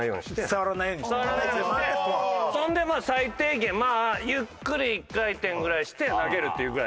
触らないようにしてそんで最低限まあゆっくり１回転ぐらいして投げるっていうぐらい。